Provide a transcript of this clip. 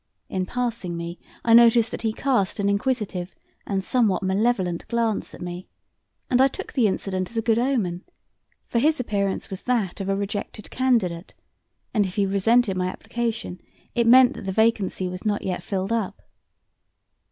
In passing me, I noticed that he cast an inquisitive and somewhat malevolent glance at me, and I took the incident as a good omen, for his appearance was that of a rejected candidate, and if he resented my application it meant that the vacancy was not yet filled up.